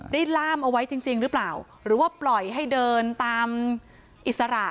ล่ามเอาไว้จริงหรือเปล่าหรือว่าปล่อยให้เดินตามอิสระ